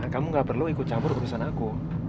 kamu gak perlu ikut campur urusan aku